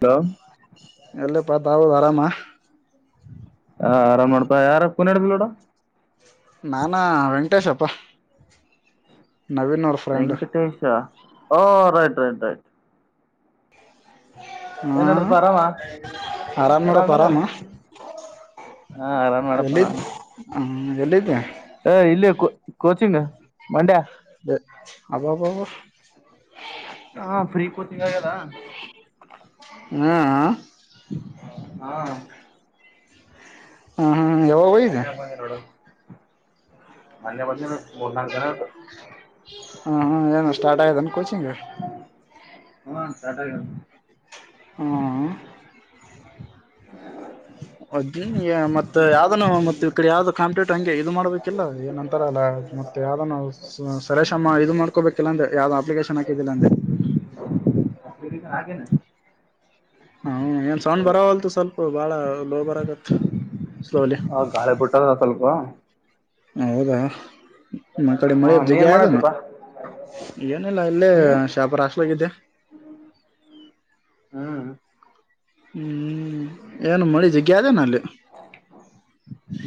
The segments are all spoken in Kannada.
ಹಲೋ ಅಪ್ಪದಾವು ಅರಾಮಾ ಹಾ ಆರಾಮ್ ಮಾಡ್ತಾ ಯಾರ ಫೋನ್ ಹಿಡಿದ್ಲುನೋಡು ನಾನ ವೆಂಕಟೇಶಪ್ಪ ನವೀನ್ ಅವ್ರ ಫ್ರೆಂಡ್ ಹ ರೈಟ್ ರೈಟ್ ರೈಟ್ ಹಾ ಏನ್ ಮ [unintelligible] ಪ್ಪಾ ಆರಾಮ ಆರಾಮ್ ನೋಡಪ್ಪ ಆರಾಮ ಹಾ ಆರಾಮ್ ಮಾಡಪ್ಪ ಎಲ್ಲಿದ್ದ ನಾನು ಹ್ಮ ಎಲ್ಲಿದ್ದೆ ಹೇ--ಇಲ್ಲಿ--ಕು ಕೋಚಿಂಗ್ ಮಂಡ್ಯಾ ಬೆ--ಅಬ ಬ ಬಾ ಹಾ ಫ್ರೀ ಕೋಚಿಂಗ್ ಆಗ್ಯದಾ ಹ್ಮ ಹ ಹಾ ಹ್ಮ ಅಣ್ಣಾವ್ರ್ ಬಂದ್ರು ನೋಡು ಮೊನ್ನೆ ಬಂದಿನು ಮೂರ್ ನಾಕ್ ದಿನ ಆಯ್ತು ಹ್ಮ ಹ ಏನ್ ಸ್ಟಾರ್ಟ್ ಆಗತೆ ನ್ ಕೋಚಿಂಗ್ ಹಾ ಸ್ಟಾರ್ಟ್ ಆಗ್ಯದ ಹ್ಮ್ [inaudible] [unintelligible] ಅದುನ್ಯ ಮತ್ತ್ ಮತ್ತ ಯಾವ್ದನು ಮತ್ತತ್ ಈ ಕಡೆ ಯಾವ್ದ್ ಕಾಂಪ್ಯೂಟರ್ ಹಂಗೆ ಇದು ಮಾಡ್ಬೇಕಿಲ್ಲ ಏನ್ ಅಂತಾರಲ್ಲಾ ಮತ್ತೆ ಯಾವ್ದ ಸುರೇಶಣ್ಣ ಇದು ಮಾಡ್ಕೋಬೇಕಿಲ್ಲ ಅಂದೆ ಯಾವ್ದೋ ಅಪ್ಲಿಕೇಶನ್ ಹಾಕಿದ್ದಿಲ್ಲ ಅಂದೆ [unintelligible] ಹ ಏನ್ ಸೌಂಡ್ ಬರವಲ್ತ ಸ್ವಲ್ಪ ಬಾಳ ಲೋ ಬರಕತ್ ಸ್ಲೋಲಿ ಹ ಗಾಳೆ ಬಿಟ್ಟದ ಸ್ವಲ್ಪ ಹೌದಾ ಮ ಕಡೆ ಹಾ ಮಳೆ ನೀನ್ ಜಗ್ಯಾದೇನೊ ಮಾಡತ್ತಿಪ್ಪ ಏನಿಲ್ಲ ಇಲ್ಲೇ ಹ್ಮ್ ಶಾಪುರ ಹೋಸ್ಟ್ಲಲ್ ಇದ್ದೆ ಹ್ಮ್ ಹ್ಮ್ ಏನು ಮಳಿ ಜಗ್ಗಿ ಗ್ಯಾದೆ ನಲ್ಲಿ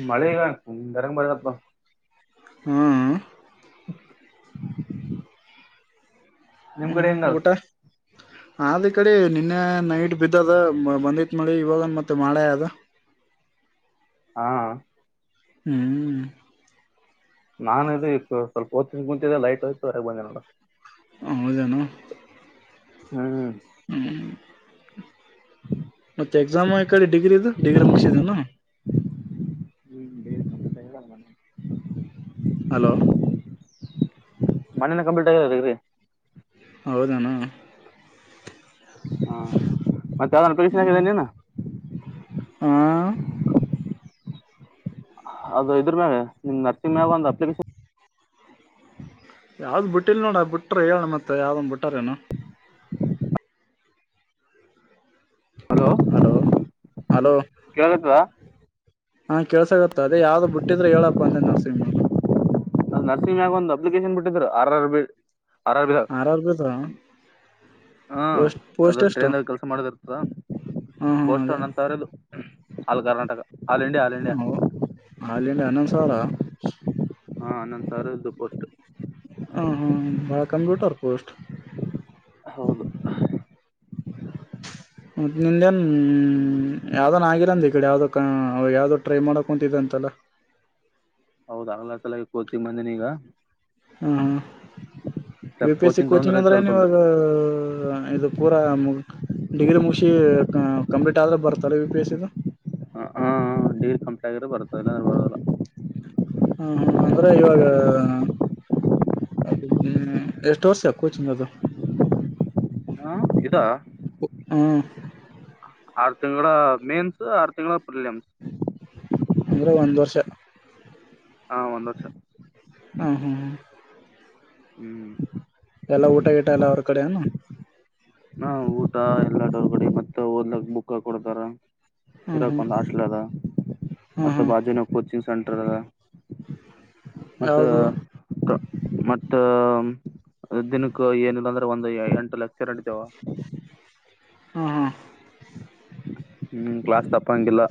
ಮಳಿಗಾ ಹ್ಮ್ ಗರಂಗ ಬರಪ್ಪ ಹ್ಮ್ ನಿಮ್ ಕಡೆ ಹೆಂಗದ ಹ್ಮ್ಊಟ ಅ ಕಡೆ ನಿನ್ನೆ ನೈಟ್ ಬಿದ್ದದ ಬಂದಿತ್ ಮಳಿ ಇವಾಗ ಮತ್ತೆ ಮಳೆ ಅದ ಹಾ ಹ್ಮ್ ನಾನ ಇ ಈ ಸ್ವಲ್ಪ ಓ್ತತ್ತೀದೆ ಕುಂದೆ ಲೈಟ್ ಹೋಯ್ತು ಹಗ್ ಬಂದೆ ನೋಡ ಹರು ಜನು ಹ್ಮ್ ಹ್ಮ್ ಮತ್ತೆ ಎಕ್ಸಾಮ್ ಕಡೆ ಡಿಗ್ರಿದು ಡಿಗ್ರಿ ಮುಗಸಿದನು ನ ಹಲೋ ಮನೇನ ಕಂಪ್ಲೀಟ್ ಆಗಿರಗ್ರೀ ಹೌದಾನ ಹಾ ಮತ್ತೆ ಅವನು ಟ್ಯೂಷನ್ ಹೋಗ್ಲಿಲಿಲ್ಲ ಹಾ ಅದು ಇದ್ರ ಮ್ಯಾಗ ನಿಮ್ ಮ್ಯಾಗ ಒಂದು ಅಪ್ಲಿಕೇಶನ್ ಯಾವ್ದ್ ಬಿಟ್ಟಿಲ್ ನೋಡ ಬಿಟ್ರ ಹೇಳಏ ಮತ್ತೆ ಯಾವ್ದೊಂದ ಬಿಟ್ಟಾರೇನ ಹಲೋ ಹಲೋ ಕೇಳತ್ವಾ ಹಾ ಕೆೇಳಸಾಗುತ್ತೆ ಅದ ಯಾವ್ದ ಬಿಟ್ಟಿದ್ರೆ ಹೇಳಪ್ಪ ಅಂದೆ ಕ್ಲಿ [unintelligible] ನ ನರ್ಸಿಂಗ್ ಮ್ಯಾಗ ಒಂದು ಅಪ್ಲಿಕೇಶನ್ ಬಿಟ್ಟಿದ್ರು ಆರರ್ B R R R B ಹ ಪೋಸ್ಟ್ ಅದು ಪೋಸ್ಟ್ ಎಷ್ಟು ಟ್ರೈನ್ಗ ಕೆಲ್ಸ ಮಾಡದಿ ಇರ್ತದ ಹಾಂ ಹಾಂ ಅದೇ ಪೋಸ್ಟ ನಂದ್ ಸಾರಿದು ಹಲ್ Karnataka all India all India ಹ ಅಲ್ಲಿ ಅನ ಸರ ಹಾ ಅನ್ನೊಂದ್ ಸರ್ದು ಪೋಸ್ಟ್ ಮಳಕನ್ವಿಟರ್ ಪೋಸ್ಟ್ ಹೌದು ಮ ನಿಂದೇನ್ ಯಾವ್ದನ್ ಆಗಿಲ್ಲಂದ ಈ ಕಡೆ ಯಾವ್ದ ಅವ ಯಾವ್ದ ಟ್ರೈ ಮಾಡಕ್ ಕುಂತಿದ ಅಂತಲ್ಲ ಹೌದ ಆಲ ಚಲಾಗಿ ಕೋಚಿ ಬಂದಿನ ಈಗ ಹ ಹಾ ಯು ಸ್ವಲ್ಪ ಪಿ ಎಸ್ ಸಿ ಕೋಚಿಂಗ್ ತೊಗೊಂಡ್ರೆ ಅಂದ್ರೆ ಸ್ವಲ್ಪ ನೀವಾಗ ಇದು ಪೂ ಡಿಗ್ರಿ ಮುಗ ಕಂಪ್ಲೀಟ್ ಆದ್ರೆ ಬರ್ತಾರ ವಿ ಪಿ ಎಸ್ ಗೆ ಹ ಹಾ ಡಿಗ್ರಿ ಕಂಪ್ಲೀಟ್ ಆಗಿರೆ ಬರ್ತದೆ ಇಲ್ಲಾಂದ್ರೆ ಬರದಲ್ಲ ಹಾ ಹ್ಮ ಅಂದ್ರೆ ಇವಾಗ ಎಷ್ಟು ವರ್ಷ ಯ ಕೋಚಿಂಗ್ ಅದು ಹಾ ಇದಾ ಹ್ಞೂ ಆರ್ ತಿಂಗಳ ಮೇನ್ಸ್ ಆರ್ ತಿಂಗಳ ಪ್ರಿಲಿಯಮ್ಸ್ ಅಂದ್ರೆ ಒಂದು ವರ್ಷ ಹಾ ಒಂದು ವರ್ಷ ಹ್ಮ ಹಾ ಹಾ ಹ್ಮ್ ಎಲ್ಲಾ ಊಟ ಗಿಟಾ ಎಲ್ಲ ಅವ್ರ ಕಡೆನು ಹ ಊಟ ಎಲ್ಲಾಟೋ ಕಡೆ ಮತ್ತೆ ಓದ್ಲಕ್ ಬುಕ್ಕ ಕೊಡ್ತಾರ ಹ್ಞೂ ಇರಕ್ ಹ್ಞೂ ಒಂದ್ ಹಾಸ್ಟೆಲ್ ಅದ ಹ್ಞೂ ಮತ್ತೆ ಹ್ಞೂ ಬಾಜುನ ಕೋಚಿಂಗ್ ಸೆಂಟರ್ ಮತ್ತೆ ಯಾವುದು ತ ಮತ್ತ ದಿನಕ್ಕ ಏನಿಲ್ಲ ಅಂದ್ರೆ ಒಂದು ಎಂಟು ಲಕ್ಷ ಎಂ ಯವ ಹ್ಮ ಹಾ ಹ್ಮ್ ಕ್ಲಾಸ್ ತಪ್ಪಂಗಿಲ್ಲ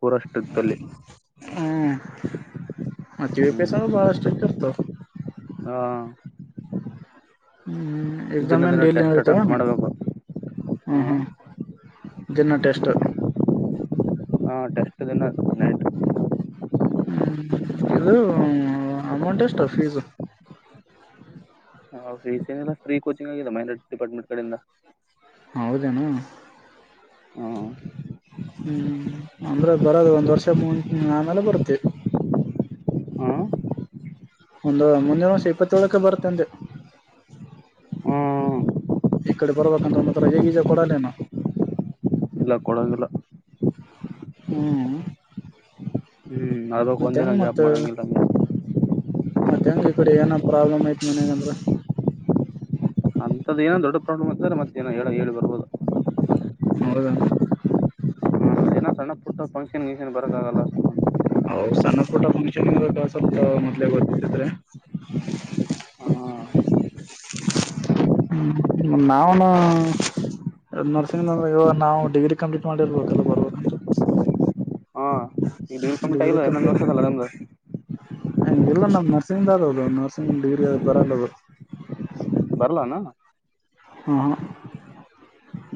ಪುರಾ ಸ್ಟ್ರಿಕ್ಟ್ ಅಲ್ಲಿ ಹ್ಮ್ ಮತ್ತ ಪೀಸಾನೂ ಬಹಳಷ್ಟುರ್ತೀರ್ತಾವ ಹಾ ಹ್ಮ್ ಎಕ್ಸಾಮ್ ಏನ್ ಡೈಲಿ ಇರ್ತವ ಅಟೆಂಪ್ಟ್ ಏನ್ ಮಾಡ್ಬೇಕು ಹ್ಮ ಹ ಹ್ಮ್ ದಿನ್ನ ಟೆಸ್ಟ್ ಹಾ ಟೆಸ್ಟ್ ದಿನ ನೈಟ್ ಹ್ಮ್ ಇದು ಅಮೌಂಟ್ ಎಷ್ಟ ಫೀಸು ಹಾ ಫೀಸ್ ಏನಿಲ್ಲ ಫ್ರೀ ಕೋಚಿಂಗ್ ಆಗಿದೆ ಮೈನ ಡಿಪಾರ್ಟ್ಮೆಂಟ್ ಕಡೆಯಿಂದ ಹೌದೆನ್ ಹು ಹ ಅಂದ್ರೆ ಬರೋದು ಒಂದ್ ವರ್ಷ ಮು ಆಮೇಲೆ ಬರುತ್ತೆ ಹ್ಮ ಒಂದ ಮುಂದಿನ್ವರ್ಷ ಇಪ್ಪತ್ತಏಳಕ್ಕೆ ಬರ್ತಂತೆ ಹ್ಮ್ ಈ ಕಡೆ ಬರ್ಬೇಕಂದ್ರೆ ಮತ್ತೇ ರಾಜೆ ಗಿಜೆ ಕೊಡಲ್ಲೇನ ಇಲ್ಲ ಕೊಡಂಗಿಲ್ಲ ಹ್ಮ್ ಹ್ಮ್ ಅದಕ್ ಮತ್ತ ಒಂದಿನ ಹೆಂಗ್ ಗ್ಯಾಪ್ ಮಾಡಂಗಿಲ್ಲ ಮ ಮತ್ತೆ ಹೆಂಗ ಈ ಕಡೆ ಏನ ಪ್ರಾಬ್ಲಮ್ ಐತ್ ಮನ್ಯಾಗ್ ಅಂದ್ರ ಅಂತದ್ದು ಏನ್ ದೊಡ್ಡ ಪ್ರಾಬ್ಲಮ್ ಇದ್ದ ಮತ್ತೆಏನೋ ಹೇಳ ಹೇಳಿ ಬರ್ಬೋದು ಹೌದನ ಹ ಸಣ್ಣ ಪುಟ್ಟ ಪಂಕ್ಷನ್ ಗಿಂಕ್ಸನ್ ಬರಾಕ್ ಆಗಲ್ಲ ಇನ್ ಸ್ವಲ್ಪ ಮೊದಲೇ ಗೊತ್ತಿದ್ದಿದರೆ ಹ್ಮ್ ನಾವುನು ನರ್ಸಿಂಗ್ಂದ್ರೆ ಇವಾಗ ನಾವು ಡಿಗ್ರಿ ಕಂಪ್ಲೀಟ್ ಮಾಡಿರ್ಬೇಕಲ್ಲ ಬರ್ಬೇಕಂತ ಡಿಗ್ರೀ ಕಂಪ್ಲೀಟ್ ಡಿಗ್ರಿ ಆಗಿಲ್ಲ ಇನ್ನು ಒಂದ್ ಕಂಪ್ಲೀಟ್ ವರ್ಷದಲ್ಲ ಲಂದ ಇಲ್ಲ ನಮ್ ನರ್ಸಿಂಗ್ ಆದವ ನರ್ಸಿಂಗ್ ಡಿಗ್ರಿ ಅ ಬರಲ್ಲ ಅವ ಬರ್ಲಾನ ಹ ಹ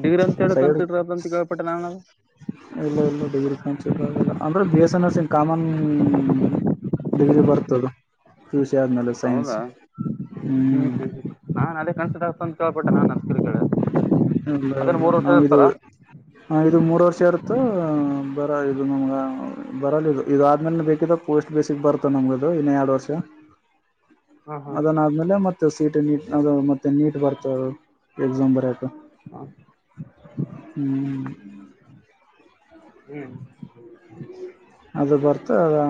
ಡಿಗ್ರಿ ಅಂತ ಹೇಳಿ ಸೈಡ್ ಕನ್ಸಿಡರ್ ಅ ಅಂತ ಕೇಳ್ಪಟ್ಟೆ ನ ಇಲ್ಲ ಇಲ್ಲ ಡಿಗ್ರಿ ಅಂದ್ರೆ B S C common degree ಬರ್ತದು ಸಿ ಆದ್ಮೇಲೆ ಸೈನ್ಸ್ ಹೌದಾ ಹ್ಮ್ ಹ್ಮ್ ನಾನ್ ಅದೇ ಕಣಸ ಆಕ್ತ ತೋ [unintelligible] ಟ್ಟ ಇಲ್ಲ ಇಲ್ಲ ವರ್ಷ ನಾ ಇದು ಇರ್ತಾರ ನ ಇದು ಮೂರ ವಷ ಇ ಬ ಇದು ನಮಗ ಬರಲ್ಲ ಇದು ಇದ ಆದ್ಮೇಲೆ ಬೇಕ ಪೋಸ್ಟ್ ಬೇಸಿಕ್ ಬರುತ್ತ ನಮಗದು ಇನ್ನ ಎರಡು ವರ್ಷ ಹಾ ಹಾ ಅದನ್ ಆದ್ಮೇಲೆ ಮತ್ತೆ ಸೀಟ ನೀಟ್ ಅ ಮತ್ತೆ ನೀಟ್ ಬರ್ತದೆ ಅದು ಎಗ್ಝಾಮ ಬರಕ ಹ ಹ್ಮ್ ಅದು ಬರ್ತ ಅ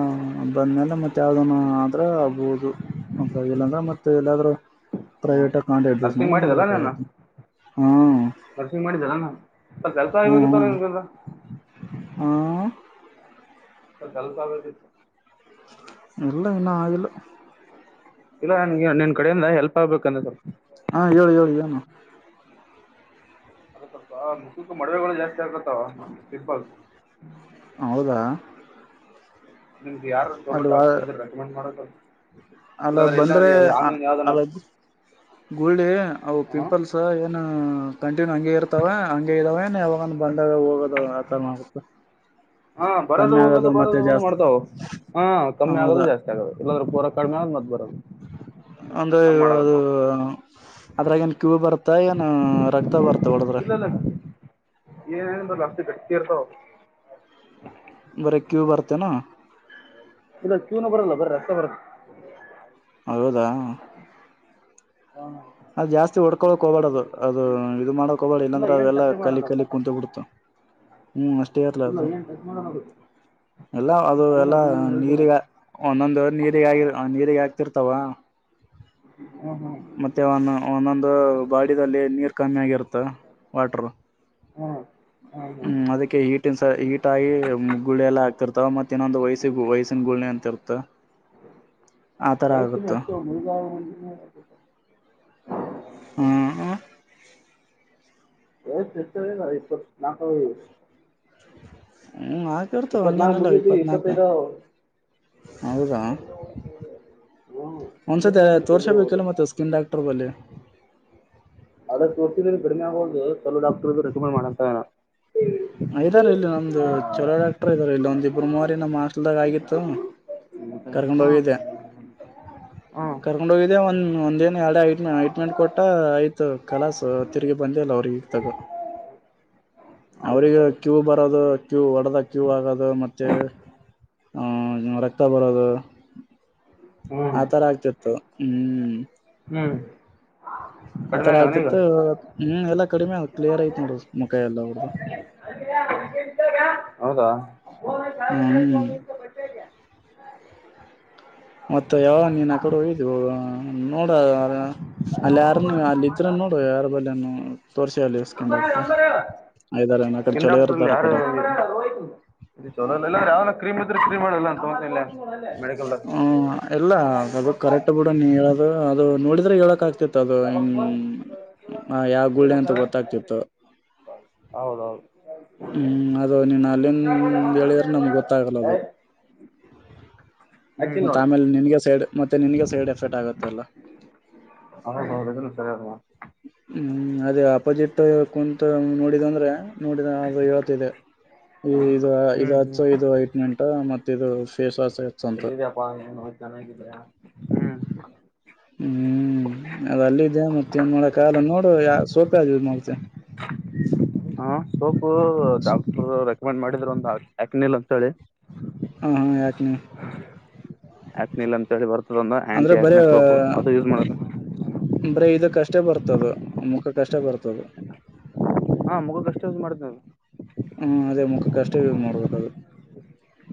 ಬಂದ್ಮೇಲೆ ಮತ್ತೆ ಅದನ್ನು ಅ್ರ ಆಗ್ಬೌದು ಅಂದ ಇಲ್ಲಾಂದ್ರೆ ಮತ್ತೆ ಎಲ್ಲಾದ್ರೂ ಹಾ ಪ್ರೈವೇಟ್ ಕಂಡಡಸ್ ನರ್ಸಿಂಗ್ ಮಲ್ಲ ಮಾಡಿದಲ್ಲ ನಾನು ಮಾಡ್ಬೇಕಾಗತ್ತೆ ಹಾ ನರ್ಸಿಂಗ್ ಮಾಡಿದಲ್ಲ ನಾನು ಸ್ವಲ್ಪ ಹೆಲ್ಪ್ ಹ್ಮ್ ಹ್ಮ ಆಗಿಬೇಕಿತ್ತಲ್ಲ ನಿನ್ಗೆ ಹ್ಮ ಸರ್ ಕೆಲಸಬೇಕಿತ್ತು ಎಲ್ಲ ಇನ್ನು ಆಗಿಲ್ಲ ಇಲ್ಲ ನನ್ ನಿನ್ ಕಡೆಯಿಂದ ಹೆಲ್ಪ್ ಆಗ್ಬೇಕುಂದ ಹಾ ಹೇಳಿ ಹೇಳಿ ಏನು ಅದು ಮುಖಕ್ಕೆ ಮೊಡವೆಗಳು ಜಾಸ್ತಿ [unintelligible] ತ ಪಿಂಪಲ್ಸ್ ಹ್ಮ್ ಹೌದಾ ನಿಮ್ಗೆ ಯಾರು ಚಲೋ ಅಲ್ಲಿ ಡಾಕ್ಟರ್ ಇದ್ರ ರೆಕಮೆಂಡ್ ಮಾಡ ಅಲ್ಲ ಇಲ್ಲಾಂದ್ರೆ ಬಂದ್ರೆ ಇಲ್ಲಾಂದ್ರೆ ಆನ್ಲೈನ್ ಯಾವ್ದನ ಅ ಗುಳ್ಳಿ ಅವು ಪಿಂಪಲ್ಸ್ ಏನು ಕಂಟಿನ್ಯೂ ಹಂಗಗೆ ಇರ್ತಾವ ಹಂಗೇ ಇದಾವ ಯಾವಾಗ ಬಂದಾಗ ಹೋಗೋದ ಕೆಲಸ ಮಾಡಬೇಕು ಹಾ ಬರೋದು ಹೋಗಂದು ಬರೋದು ಹೋಗ ಜಾಸ್ತಿ ಮಾಡ್ತಾವ ಹಾ ಕಮ್ಮಿ ಆಗದು ಹೌದಾ ಜಾಸ್ತಿ ಆಗದು ಎಲ್ಲಾದ್ರೂ ಪೂರ ಕಡಿಮೆ ಆಗ ಮದ್ ಬರೋದು ಒಂದ್ರೆ ಹಂಗ್ ಅದು ಮಾಡಕತ್ತಾವ ಅದ್ರಾಗ ಏನ್ ಕ್ಯೂ ಬರ್ತ್ತ ಏನ್ ರಕ್ತ ಬರ್ತ ತೋಡದ್ರ ಏನೇನುಬಲು ಜಾಸ್ತಿ ಗಟ್ಟಿ ಇರ್ತಾವ ಬ ಕ್ಯೂ ಬರ್ತ ನ ಇಲ್ಲ ಚೀನ ಬರಲ್ಲ ಬರ ರಸ ಬರ ಹೌದಾ ಹ ಅದು ಜಾಸ್ತಿ ಹೊಡ್ಕೊಳಕ್ ಹೋಗಬೇಡದು ಅದು ಇದು ಮಾಡಕ್ ಹೋಗ್ಬೇಡ ಇಲ್ಲ ಇಲ್ಲಾಂದ್ರೆ ಏನ್ ಅವೆಲ್ಲಾ ಟಚ್ ಕಲಿ ಮಾಡಲ್ಲ ಕಲಿ ಕುಂತ ಬಿಡ್ತು ಹ್ಮ್ ಅಷ್ಟೇ ಇರ್ಲ ಇಲ್ಲ ಅದು ಏನ್ ಟಚ್ ಮಾಡಲ್ಲ ಅದು ಎಲ್ಲ ಅದು ಎಲ್ಲಾ ಸ್ವಲ್ಪ ಹೇಳ್ತೇನೆ ನೀರಿಗ ಒಂದೊಂದ್ ವವರ್ ನೀರಿಗೆಗ ಆಗಿ ನೀರಿಗೆ ಆಕ್ತಿರ್ತಾವ ಹ್ಮ್ ಹ್ಮ್ ಮತ್ತೆ ಒಂದು ಒಂದೊಂದು ಬಾಡಿದಲ್ಲಿ ನೀರ್ ಕಮ್ಯಾಗಿರುತ್ ತ್ತ ವಾಟರು ಹ್ಮ್ ಅದಕ್ಕೆ ಹೀಟನ್ ಸ ಹೀಟ್ ಆಗಿ ಗುಳಿ ಎಲ್ಲ ಹಾಕ್ತಿರ್ತವ, ಮತ್ತೆ ಇನ್ನೊಂದು ವಯ್ಸ ವಯ್ಸಿನ ಗುಳಿ ಅಂತಿರ್ ಮತ್ತು ಕಚ ನಷ್ಟತ ಮುಳಗಾವಾವ ಹ್ಮ ಏ ಸ ಇಪ್ಪ ನಾಲ್ಕ ಹ್ಮ ಹಾಕಿರ್ತಾವ ಹಂಗೇನಲ್ಲ ಮುಗೀತು ಇಪ್ಪತ್ನಾಕ, ಇಪ್ಪತ್ತೈದು ಹೌದಾ, ಹ್ಞೂ ಅಂದ್ರೆ ಒಂದ್ಸತಿ ನಮ್ಗೆ ಗುಳ್ಳಿ ಹೋಗೋದು ತೋರ್ಸಬೇಕಲ್ಲ ಮತ್ತೆ ಸ್ಕಿನ್ ಡಾಕ್ಟರ್ ಬಲಿ. ಅದ ತೋರ್ತಿದಲ್ಲಿ ಕಡಿಮೆ ಆಗವಲ್ದು, ಚಲೋ ಡಾಕ್ಟರ್ದು ರೆಕಮೆಂಡ್ ಮಾಡತ್ತನಣ. ಇದಾರೆ ಇಲ್ಲಿ ನಮ್ದು ಚಲೋ ಡಾಕ್ಟರ್ ಇದಾರೆ ಇಲ್ಲಿ ಒಂದಿ ಇಬ್ರು ಮೂವರಿಗೆ ನಮ ಹಾಸ್ಲದಾಗ ಆಗಿತ್ತು, ಕರ್ಕೊಂಡ್ ಹೋಗಿದ್ದೆ, ಹಾಂ ಹಾಂ ಕರ್ಕೊಂಡ ಹೋಗಿದ್ದೆ ಒಂದ್ ಒಂದಏನ್ ಎರ ಐ ಐಟ್ಮೆಂಟ್ ಕೊಟ್ಟ ಆಯ್ತು ಕಲಾಸ್ ತಿರ್ಗಿ ಬಂದೆಲ್ಲ ಅವ್ರ ಈಗ ತಗ. ಅವ್ರಿಗು ಕೀವು ಬರೋದು ಕ್ಯೂ ಒಡೆದ ಕ್ಯೂ ಆಗೋದು, ಮತ್ತೆ ಉ ಉ ಆ ರಕ್ತ ಬರೋದು. ಹ್ಞೂ ಆತರ ಆಗ್ತಿತ್ತು ಹ್ಮ್ ಹ್ಮ್ ಆತರ ಆಗ್ತಿತ್ತು ಹ್ಮ್, ಎಲ್ಲಾ ಕಡಿಮೆ ಕ್ಲಿಯರ್ ಐತ್ ನೋಡ್ರ ಮುಖ ಎಲ್ಲ ಅವ [inaudible] ಸಾ ಹ್ಮ್ [unintelligible] ಬಟ್ಟೆಗೆ ಮತ್ತೆ ಯಾವಗ ನೀನ್ ಅಕಡೆ ಹೋಗ ನೋಡ ಅಲ್ಲಿ ಯಾರ ನೀ ಅಲ್ಲ ಇದ್ರ ನೋಡ ಯಾರ ಬಲ್ಲೆನು ಇದಾರೆ ಆ ಕಡೆ ಸ್ಕಿನ್ ಚಲೋ ಡಾಕ್ಟರ್ಲ್ಲಿ ಇರ್ತಾರ ಆ ಯಾರು ಕಡೆ ಇಲ್ದೆ ಇದ್ರೆ ಯಾವನ ಕ್ರೀಮ್ ಇದ್ರೆ ಮಾಡಲ್ಲ ಅಂತ ತಗೊಂತಿಲ್ಲ ಮೆಡಿಕಲ್ ಹ ಎಲ್ಲ ಡಬಲ್ ನೈನ್ ಅದು ಫೋರ್ ಫೈವ್ ಕರೆಕ್ಟ್ ಬಿಡ ನೀ ಹೇಳದು ಅದು ನೋಡಿ ಹೇಳಕ್ ಆಗ್ತಿತ್ತು ಅದು ಹಂ ಡಬಲ್ ಫೋರ್ ಜೀರೋ ಜೀರೋ ಹಂ ಯಾವ ಗುಳ್ಳೆ ಜೀರೋ ಅಂತ ಗೊತ್ತಾಗ್ತಿತ್ತು. ಅವರು ಹ್ಮ್ ಅದು ನೀನ್ ಅಲ್ಲಿಂದ ಹೇಳಿದ್ರೆ ನಮ್ಗ್ ಗೊತ್ತಾಗಲ್ಲ ಏ ಅದು, ಹಚ್ಚಿನ್ ಮತ್ತ ನೋಡು ಆಮೇಲೆ ನಿನ್ಗೆ ಸೈಡ್ ಮತ್ತೆ ನಿನಗೆ ಸೈಡ್ ಎಫೆಕ್ಟ್ ಆಗತ್ತೆ ಎಲ್ಲ. ಹೌದೌದು ಇದನ್ನು ಸರಿ ಅದ ಹ್ಮ್ ಅದೇ ಆಪೋಜಿಟ್ ಕುಂತ ನೋಡಿದಂದ್ರೆ ನೋಡಿದ ಅದು ಇವತ್ತ ಇದೆ, ಈ ಇದು ಇದು ಹ್ಮ್ ಹ್ಮ್ ಹಚ್ಚು ಇದು ಐಟ್ ಮೆಂಟ್ ಮತ್ ಫೇಸ್ ವಾಸ್ ಎಲ್ಲಿದಪ್ಪಾ ನೀನು ಚೆನ್ನಾಗಿದ್ಯಾ ಹ್ಮ್ ಹ್ಮ್ ಅದ ಅಲ್ಲಿದೆ ಮತ್ತ ಏನ್ ಮಾಡೋಕಾಗಲ್ಲ ನೋಡು ಯ ಸೋಪ್ ಯಾವ್ದ್ ಯೂಸ್ ಮಾಡ್ತಿ. ಅಪಾಯಿಂಟ್ ಮಾಡಿದ್ರು ಒಂದ ಯಾಕ್ನಿಲ್ ಅಂತೇಳಿ. ಹಾ ಹ್ ಯಾಕ್ನಿ ಹ್ಮ ಯಾಕ್ನಿಲ್ ಅಂತೇಳಿ ಬರ್ ಅದೊಂದು ಆ್ಯಂಟಿ ಬರೇ ಯಕ್ನಿ ಸೋಪು ಅದು ಯೂಸ್ ಮಾಡೋದು ಷ್ಟ ಬರ್ತದು ಮುಖ ಕಷ್ಟೇ ಬರ್ತದು ಹಾ ಮುಕ ಅಷ್ಟೇ ಯುಸ್ ಮಾಡಿದವ್. ಹ್ಮ್ ಅದೇ ಮುಖಕ್ಕಷ್ಟೇ ಯೂಸ್ ಮಾಡ್ಬೇಕದು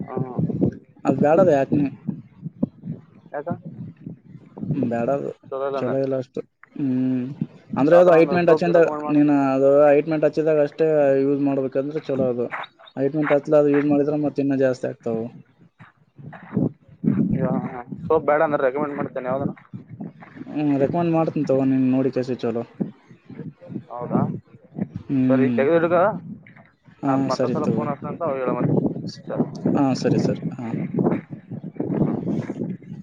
ಹಾ ಹ್ಮ ಯಾಕ ಬೇಡದು ಚಲೋ ಇಲ್ಲ ಅಷ್ಟು ಹ್ಮ್. ಅಂದ್ರೆ ಅದು ಯಾವ್ದಾನ ಐಟ್ ಒಂದು ಮೆಂಟ್ ಸೋಪ್ ಹಚ್ಚಿಂದ ರೆಕಮೆಂಡ್ ಮಾಡು ನೀನ್ ಅದು ಐಟ್ ಮೆಂಟ ಹಚ್ಚಿದಾಗ ಅಷ್ಟೇ ಯೂಸ್ ಮಾಡ್ಬೇಕಂದ್ರೆ ಚಲೋ ಅದು ಐಟ್ಮೆಂಟ್ ಹಚ್ ಮಕ್ಳ್ ಯಾರ್ ಯೂಸ್ ಮಾಡಿದ್ರೆ ಮತ್ ಇನ್ನ ಜಾಸ್ತಿ ಆಗ್ತಾವು. [unintelligible] ಮಾಡ್ತೇನ್ ಯಾವದನ? ತೊಗೊಂಡ ನೀನು ನೋಡಿ ಕೆಸಿ ಚಲೋ ಹೌದಾ ಸರ್ ಈಗ ಹ್ಮ್ ತೆಗದ್ಡ್ಗ ಹಾ ನಾ ಸರಿ ಮತ್ತೊಂದ್ಸಲ ತಗೋ ಫೋನ್ ಹಷ್ಟತ ಅಂತ ಅವ ಹೇಳ ಹಾ ಸರಿ ಸರಿ ಸರ್. ಹಾ [inaudible]